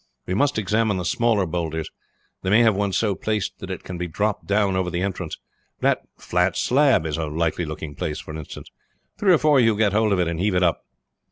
We must examine the smaller bowlders. They may have one so placed that it can be dropped down over the entrance. That flat slab is a likely looking place, for instance. Three or four of you get hold of it and heave it up."